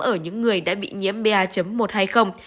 ở những người đã bị nhiễm ba một hay không